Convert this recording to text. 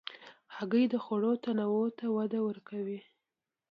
هګۍ د خوړو تنوع ته وده ورکوي.